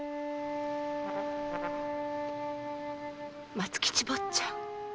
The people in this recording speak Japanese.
松吉坊ちゃん。